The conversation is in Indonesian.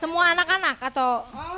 semua anak anak atau